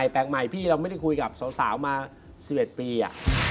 แปลกใหม่พี่เราไม่ได้คุยกับสาวมา๑๑ปี